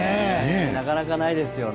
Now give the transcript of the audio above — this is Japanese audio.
なかなかないですよね。